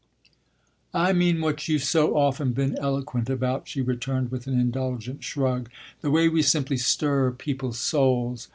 "I mean what you've so often been eloquent about," she returned with an indulgent shrug "the way we simply stir people's souls.